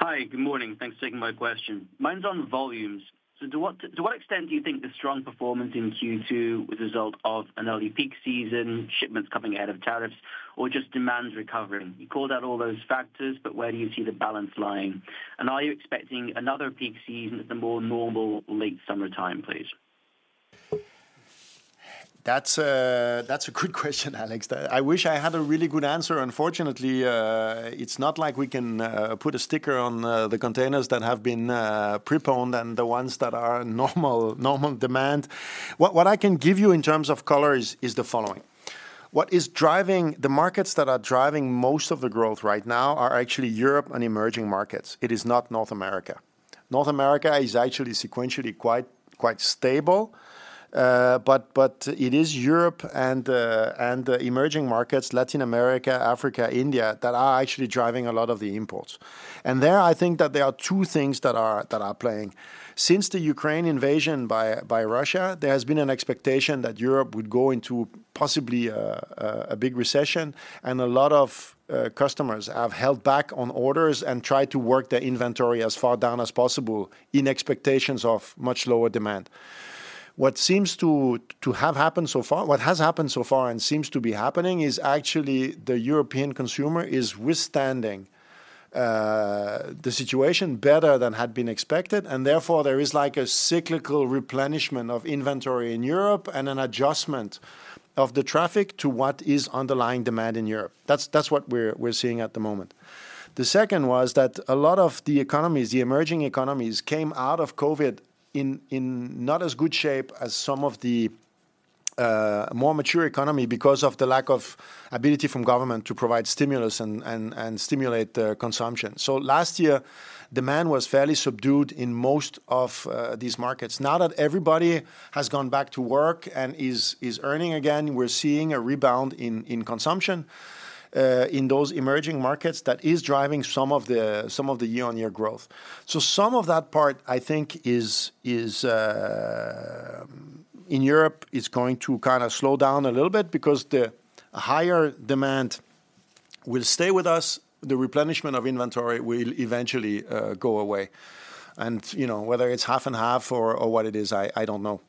Hi. Good morning. Thanks for taking my question. Mine's on volumes. So to what extent do you think the strong performance in Q2 was a result of an early peak season, shipments coming ahead of tariffs, or just demand recovering? You called out all those factors, but where do you see the balance lying? And are you expecting another peak season at the more normal late summertime, please? That's a good question, Alex. I wish I had a really good answer. Unfortunately, it's not like we can put a sticker on the containers that have been pre-owned and the ones that are normal demand. What I can give you in terms of color is the following. What is driving the markets that are driving most of the growth right now are actually Europe and emerging markets. It is not North America. North America is actually sequentially quite stable, but it is Europe and emerging markets, Latin America, Africa, India that are actually driving a lot of the imports. And there I think that there are two things that are playing. Since the Ukraine invasion by Russia, there has been an expectation that Europe would go into possibly a big recession, and a lot of customers have held back on orders and tried to work their inventory as far down as possible in expectations of much lower demand. What seems to have happened so far, what has happened so far and seems to be happening is actually the European consumer is withstanding the situation better than had been expected, and therefore there is like a cyclical replenishment of inventory in Europe and an adjustment of the traffic to what is underlying demand in Europe. That's what we're seeing at the moment. The second was that a lot of the economies, the emerging economies came out of COVID in not as good shape as some of the more mature economy because of the lack of ability from government to provide stimulus and stimulate consumption. Last year, demand was fairly subdued in most of these markets. Now that everybody has gone back to work and is earning again, we're seeing a rebound in consumption in those emerging markets that is driving some of the year-on-year growth. Some of that part, I think, in Europe is going to kind of slow down a little bit because the higher demand will stay with us. The replenishment of inventory will eventually go away. Whether it's half and half or what it is, I don't know.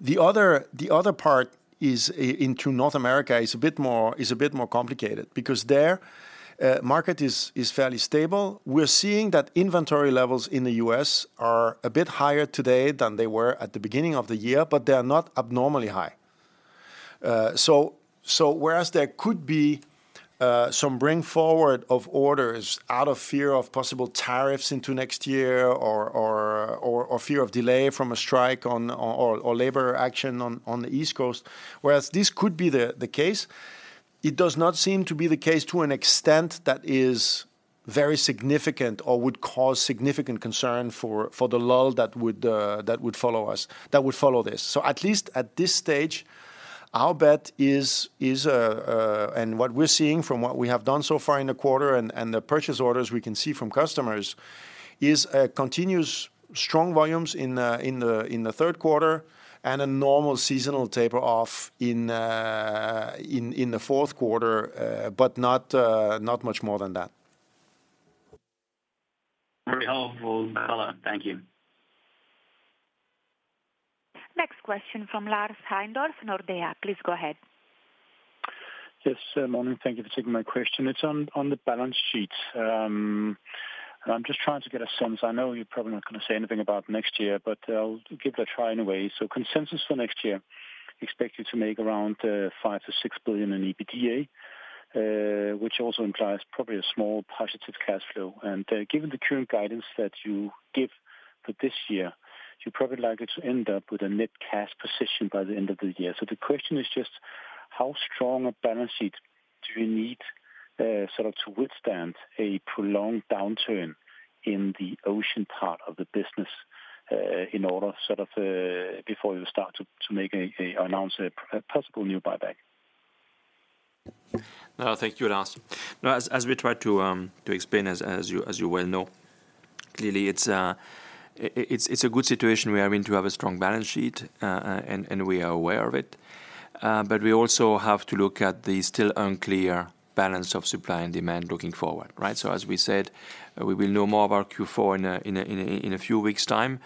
The other part into North America is a bit more complicated because their market is fairly stable. We're seeing that inventory levels in the U.S. are a bit higher today than they were at the beginning of the year, but they are not abnormally high. So whereas there could be some bring forward of orders out of fear of possible tariffs into next year or fear of delay from a strike or labor action on the East Coast, whereas this could be the case, it does not seem to be the case to an extent that is very significant or would cause significant concern for the lull that would follow this. So at least at this stage, our bet is, and what we're seeing from what we have done so far in the quarter and the purchase orders we can see from customers is continuous strong volumes in the third quarter and a normal seasonal taper off in the fourth quarter, but not much more than that. Very helpful. Hello. Thank you. Next question from Lars Heindorff, Nordea. Please go ahead. Yes. Good morning. Thank you for taking my question. It's on the balance sheet. I'm just trying to get a sense. I know you're probably not going to say anything about next year, but I'll give it a try anyway. So consensus for next year, expect you to make around $5 billion-$6 billion in EBITDA, which also implies probably a small positive cash flow. And given the current guidance that you give for this year, you probably like it to end up with a net cash position by the end of the year. So the question is just how strong a balance sheet do you need sort of to withstand a prolonged downturn in the Ocean part of the business in order sort of before you start to announce a possible new buyback? No, thank you, Lars. As we tried to explain, as you well know, clearly it's a good situation. We are in to have a strong balance sheet, and we are aware of it. But we also have to look at the still unclear balance of supply and demand looking forward, right? So as we said, we will know more about Q4 in a few weeks' time,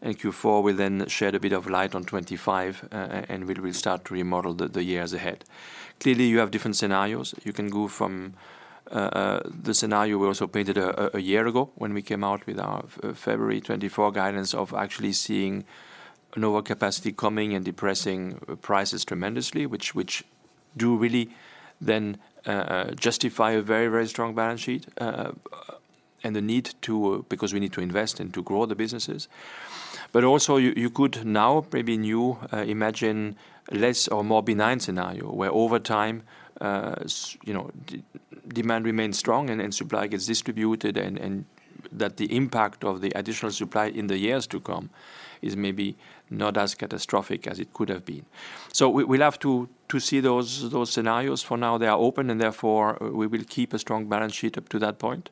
and Q4 will then shed a bit of light on 2025, and we will start to remodel the years ahead. Clearly, you have different scenarios. You can go from the scenario we also painted a year ago when we came out with our February 2024 guidance of actually seeing an overcapacity coming and depressing prices tremendously, which do really then justify a very, very strong balance sheet and the need to, because we need to invest and to grow the businesses. But also you could now, maybe new, imagine less or more benign scenario where over time demand remains strong and supply gets distributed and that the impact of the additional supply in the years to come is maybe not as catastrophic as it could have been. So we'll have to see those scenarios for now. They are open, and therefore we will keep a strong balance sheet up to that point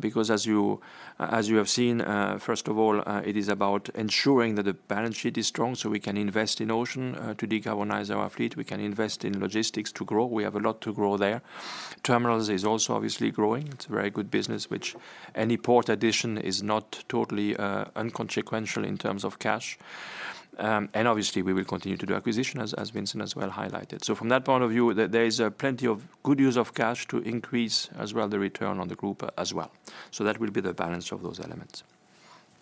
because as you have seen, first of all, it is about ensuring that the balance sheet is strong so we can invest in Ocean to decarbonize our fleet. We can invest in logistics to grow. We have a lot to grow there. Terminals is also obviously growing. It's a very good business, which any port addition is not totally inconsequential in terms of cash. And obviously, we will continue to do acquisition, as Vincent, as well, highlighted. So from that point of view, there is plenty of good use of cash to increase as well the return on the group as well. So that will be the balance of those elements.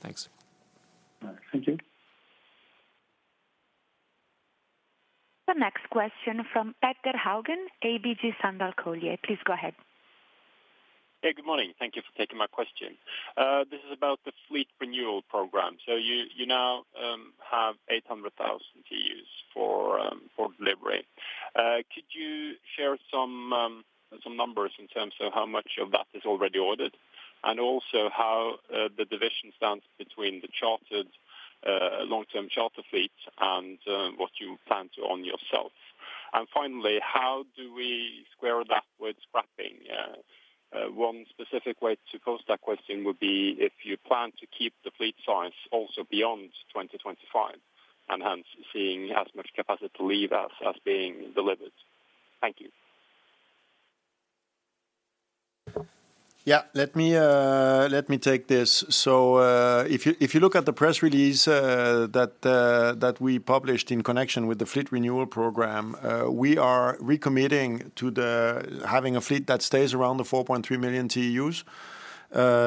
Thanks. Thank you. The next question from Petter Haugen, ABG Sundal Collier. Please go ahead. Hey, good morning. Thank you for taking my question. This is about the fleet renewal program. So you now have 800,000 TEUs for delivery. Could you share some numbers in terms of how much of that is already ordered and also how the division stands between the chartered long-term charter fleets and what you plan to own yourself? And finally, how do we square that with scrapping? One specific way to post that question would be if you plan to keep the fleet size also beyond 2025 and hence seeing as much capacity to leave as being delivered. Thank you. Yeah, let me take this. So if you look at the press release that we published in connection with the fleet renewal program, we are recommitting to having a fleet that stays around the 4.3 million TEUs.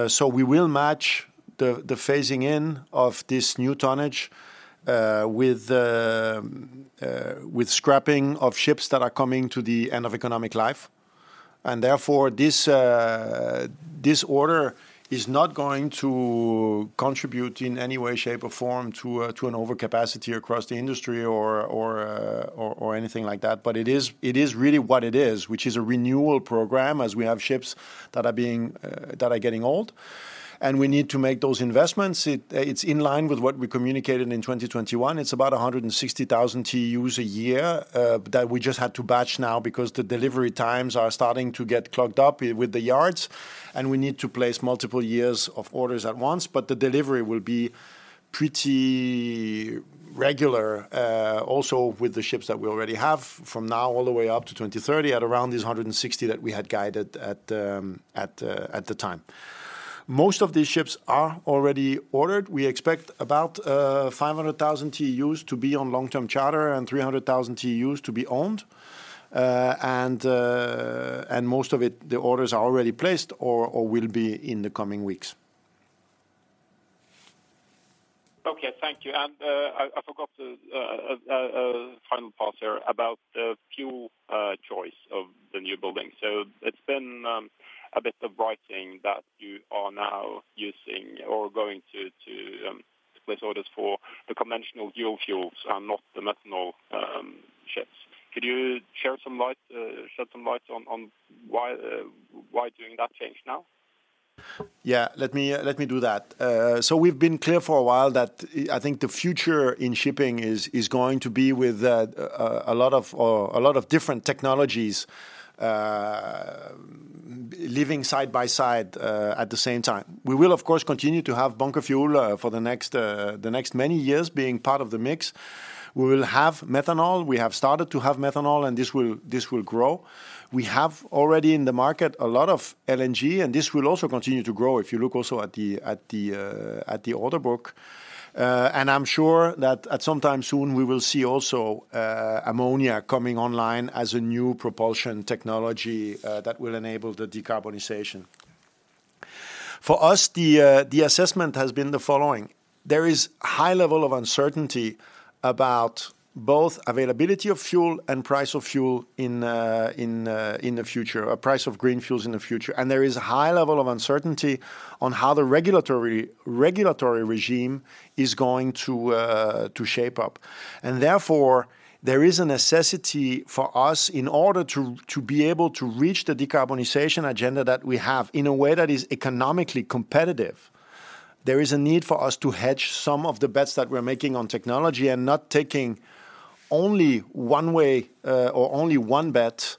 So we will match the phasing in of this new tonnage with scrapping of ships that are coming to the end of economic life. And therefore, this order is not going to contribute in any way, shape, or form to an overcapacity across the industry or anything like that. But it is really what it is, which is a renewal program as we have ships that are getting old. And we need to make those investments. It's in line with what we communicated in 2021. It's about 160,000 TEUs a year that we just had to batch now because the delivery times are starting to get clogged up with the yards. We need to place multiple years of orders at once, but the delivery will be pretty regular also with the ships that we already have from now all the way up to 2030 at around these 160 that we had guided at the time. Most of these ships are already ordered. We expect about 500,000 TEUs to be on long-term charter and 300,000 TEUs to be owned. Most of it, the orders are already placed or will be in the coming weeks. Okay, thank you. I forgot the final part here about the fuel choice of the newbuilding. It's been a bit of writing that you are now using or going to place orders for the conventional fuel vessels and not the methanol ships. Could you shed some light on why doing that change now? Yeah, let me do that. So we've been clear for a while that I think the future in shipping is going to be with a lot of different technologies living side by side at the same time. We will, of course, continue to have bunker fuel for the next many years being part of the mix. We will have methanol. We have started to have methanol, and this will grow. We have already in the market a lot of LNG, and this will also continue to grow if you look also at the order book. And I'm sure that at some time soon, we will see also ammonia coming online as a new propulsion technology that will enable the decarbonization. For us, the assessment has been the following. There is a high level of uncertainty about both availability of fuel and price of fuel in the future, a price of green fuels in the future. There is a high level of uncertainty on how the regulatory regime is going to shape up. Therefore, there is a necessity for us in order to be able to reach the decarbonization agenda that we have in a way that is economically competitive. There is a need for us to hedge some of the bets that we're making on technology and not taking only one way or only one bet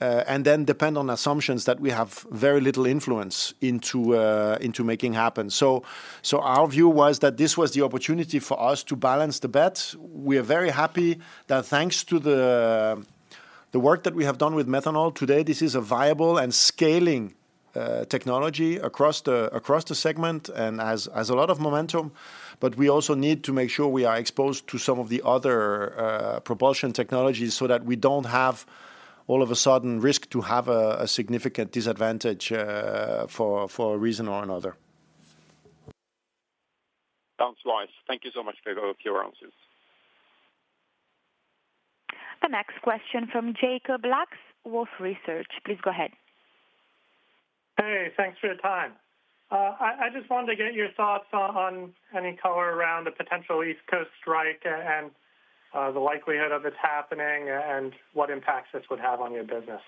and then depend on assumptions that we have very little influence into making happen. Our view was that this was the opportunity for us to balance the bets. We are very happy that thanks to the work that we have done with methanol today, this is a viable and scaling technology across the segment and has a lot of momentum. But we also need to make sure we are exposed to some of the other propulsion technologies so that we don't have all of a sudden risk to have a significant disadvantage for a reason or another. Thanks, Lars. Thank you so much for your answers. The next question from Jacob Lacks, Wolfe Research. Please go ahead. Hey, thanks for your time. I just wanted to get your thoughts on any color around the potential East Coast strike and the likelihood of it happening and what impact this would have on your business.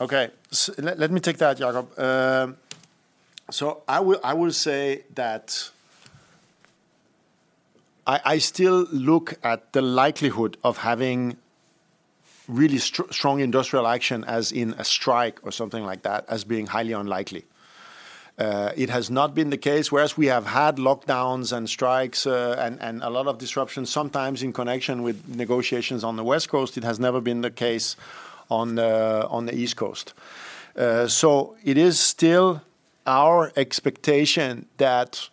Okay, let me take that, Jacob. So I will say that I still look at the likelihood of having really strong industrial action as in a strike or something like that as being highly unlikely. It has not been the case, whereas we have had lockdowns and strikes and a lot of disruptions sometimes in connection with negotiations on the West Coast. It has never been the case on the East Coast. So it is still our expectation that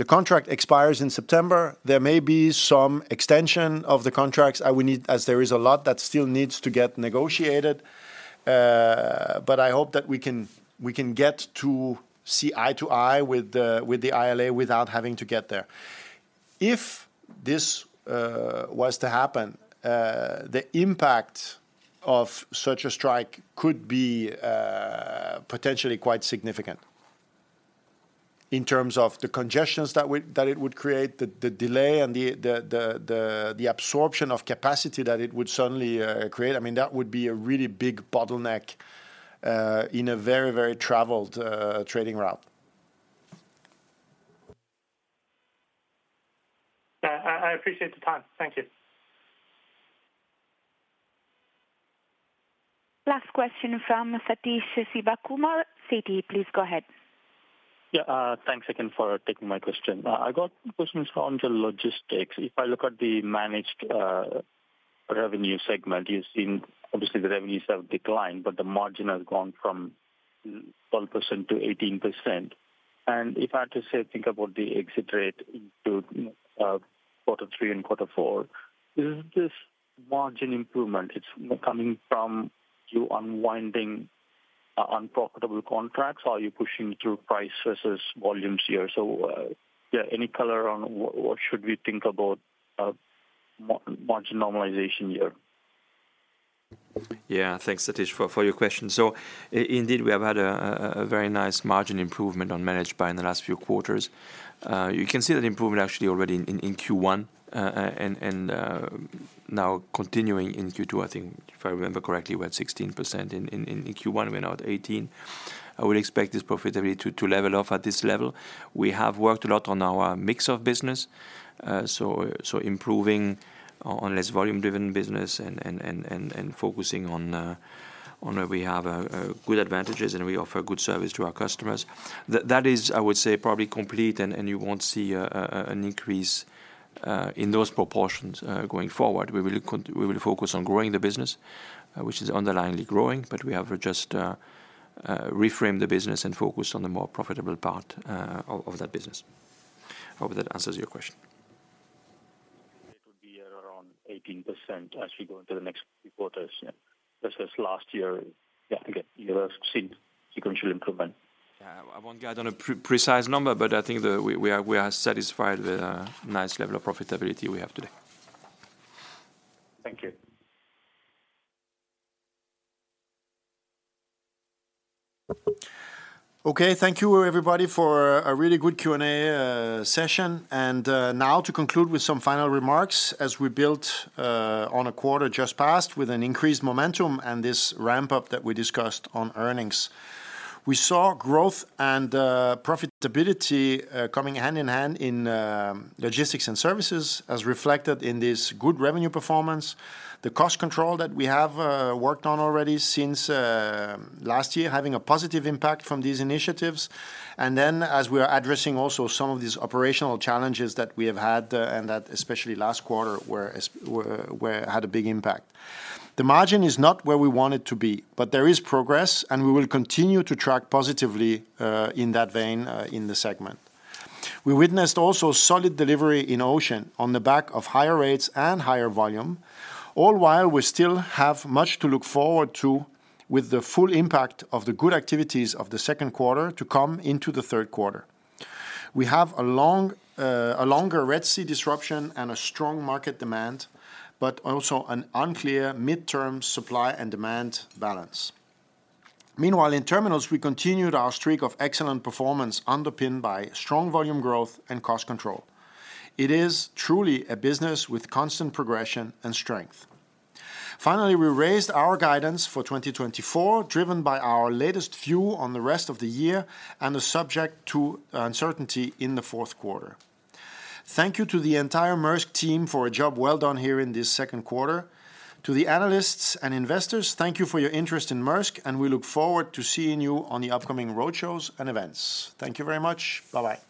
the contract expires in September. There may be some extension of the contracts as there is a lot that still needs to get negotiated. But I hope that we can get to see eye to eye with the ILA without having to get there. If this was to happen, the impact of such a strike could be potentially quite significant in terms of the congestions that it would create, the delay and the absorption of capacity that it would suddenly create. I mean, that would be a really big bottleneck in a very, very traveled trading route. I appreciate the time. Thank you. Last question from Sathish Sivakumar. Sathish, please go ahead. Yeah, thanks again for taking my question. I got questions on the logistics. If I look at the managed revenue segment, you've seen obviously the revenues have declined, but the margin has gone from 12% to 18%. And if I had to say, think about the exit rate to quarter three and quarter four, is this margin improvement? It's coming from you unwinding unprofitable contracts or are you pushing through price versus volumes here? So yeah, any color on what should we think about margin normalization here? Yeah, thanks, Sathish, for your question. So indeed, we have had a very nice margin improvement on Managed by in the last few quarters. You can see that improvement actually already in Q1 and now continuing in Q2, I think, if I remember correctly, we're at 16% in Q1. We're now at 18%. I would expect this profitability to level off at this level. We have worked a lot on our mix of business, so improving on less volume-driven business and focusing on where we have good advantages and we offer good service to our customers. That is, I would say, probably complete and you won't see an increase in those proportions going forward. We will focus on growing the business, which is underlyingly growing, but we have just reframed the business and focused on the more profitable part of that business. Hopefully, that answers your question. It would be around 18% as we go into the next few quarters versus last year. Yeah, again, you have seen sequential improvement. I won't get on a precise number, but I think we are satisfied with a nice level of profitability we have today. Thank you. Okay, thank you everybody for a really good Q&A session. Now to conclude with some final remarks as we built on a quarter just passed with an increased momentum and this ramp-up that we discussed on earnings. We saw growth and profitability coming hand in hand in Logistics & Services as reflected in this good revenue performance, the cost control that we have worked on already since last year having a positive impact from these initiatives. Then as we are addressing also some of these operational challenges that we have had and that especially last quarter had a big impact. The margin is not where we want it to be, but there is progress and we will continue to track positively in that vein in the segment. We witnessed also solid delivery in Ocean on the back of higher rates and higher volume, all while we still have much to look forward to with the full impact of the good activities of the second quarter to come into the third quarter. We have a longer Red Sea disruption and a strong market demand, but also an unclear midterm supply and demand balance. Meanwhile, in Terminals, we continued our streak of excellent performance underpinned by strong volume growth and cost control. It is truly a business with constant progression and strength. Finally, we raised our guidance for 2024, driven by our latest view on the rest of the year and subject to uncertainty in the fourth quarter. Thank you to the entire Maersk team for a job well done here in this second quarter. To the analysts and investors, thank you for your interest in Maersk, and we look forward to seeing you on the upcoming roadshows and events. Thank you very much. Bye-bye.